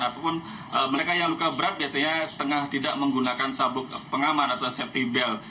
ataupun mereka yang luka berat biasanya setengah tidak menggunakan sabuk pengaman atau safety belt